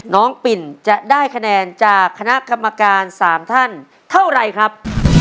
ปิ่นจะได้คะแนนจากคณะกรรมการ๓ท่านเท่าไรครับ